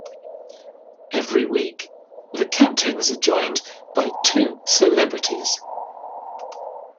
Every week, the captains are joined by two celebrities.